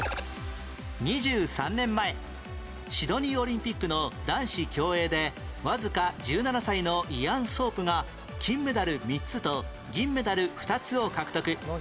２３年前シドニーオリンピックの男子競泳でわずか１７歳のイアン・ソープが金メダル３つと銀メダル２つを獲得